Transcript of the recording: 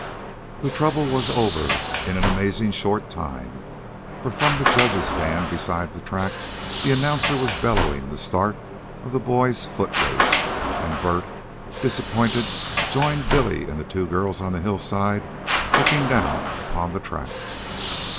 The trouble was over in an amazingly short time, for from the judges' stand beside the track the announcer was bellowing the start of the boys' foot race; and Bert, disappointed, joined Billy and the two girls on the hillside looking down upon the track.